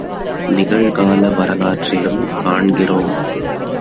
நிகழ்கால வரலாற்றிலும் காண்கிறோம்.